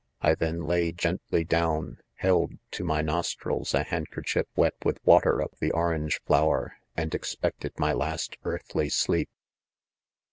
I then lay gently down, held to my" nos trils a handkerchief wet with water of the or= ange flower, and expected my last earthly sleep.